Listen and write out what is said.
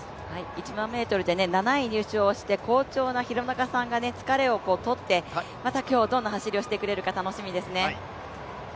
１００００ｍで７位入賞をして好調な廣中さんが疲れをとって、また今日どんな走りをしてくれるのか楽しみですね。